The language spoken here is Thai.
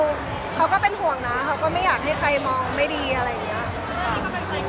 คือเขาก็เป็นห่วงนะเขาก็ไม่อยากให้ใครมองไม่ดีอะไรอย่างนี้